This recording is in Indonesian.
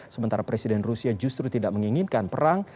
sementara presiden rusia justru tidak menginginkan perang